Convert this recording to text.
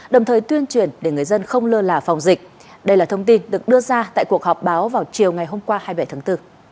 đồng thời tuyên truyền để người dân không lơ là phòng dịch đây là thông tin được đưa ra tại cuộc họp báo vào chiều ngày hôm qua hai mươi bảy tháng bốn